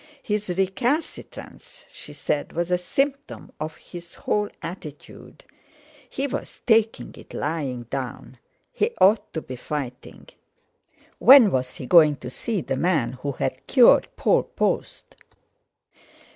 His recalcitrance—she said—was a symptom of his whole attitude; he was taking it lying down. He ought to be fighting. When was he going to see the man who had cured Paul Post?